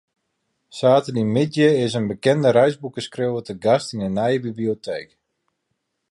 Saterdeitemiddei is in bekende reisboekeskriuwer te gast yn de nije biblioteek.